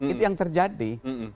itu yang terjadi